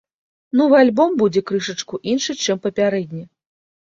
Новы альбом будзе крышачку іншы, чым папярэдні.